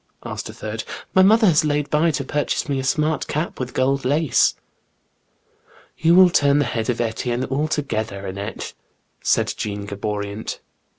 asked a third ;'* my mother has laid by to purchase me a smart cap with gold lace." ''You will turn the head of Etienne altogether, Annette! " said Jeanne Gaboriant.